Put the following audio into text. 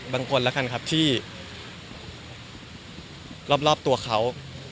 บางคนค่ะที่รอบตัวเขา